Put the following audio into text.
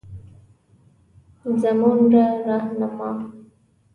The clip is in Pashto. زمونره رهنما